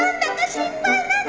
心配なの！